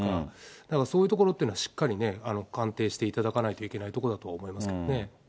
だからそういうところっていうのはしっかり鑑定していただかなきゃいけないところだと思いますけどね。